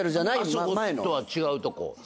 あそことは違うとこ。